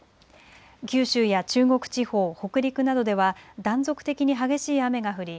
九州や中国地方、北陸などでは断続的に激しい雨が降り